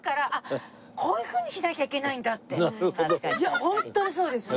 いやホントにそうですよ。